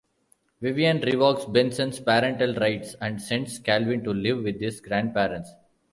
Vivian revokes Benson's parental rights and sends Calvin to live with his grandparents.